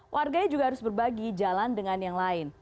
warganya juga harus berbagi jalan dengan yang lain